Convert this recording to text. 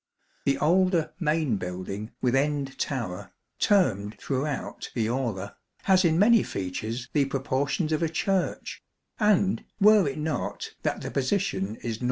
The older main building with end tower, termed throughout the aula, has in many features the proportions of a Church, and, were it not that the position is N.N.